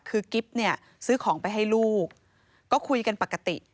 คือกิ๊บเนี่ยซื้อของไปให้ลูกก็คุยกันปกติ